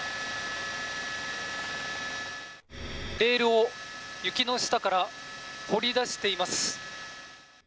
レールを雪の下から掘り出しています。